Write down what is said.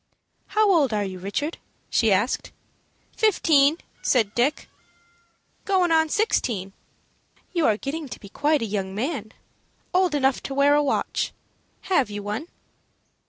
"How old are you, Richard?" she asked. "Fifteen," said Dick; "goin' on sixteen." "You are getting to be quite a young man, old enough to wear a watch. Have you one?"